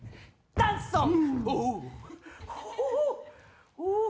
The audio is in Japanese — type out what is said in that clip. ダンソン！